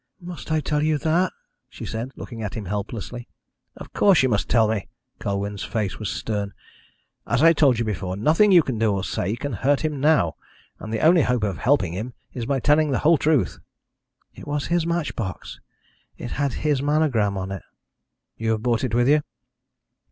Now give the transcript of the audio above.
"Must I tell you that?" she said, looking at him helplessly. "Of course you must tell me." Colwyn's face was stern. "As I told you before, nothing you can do or say can hurt him now, and the only hope of helping him is by telling the whole truth." "It was his match box. It had his monogram on it." "You have brought it with you?"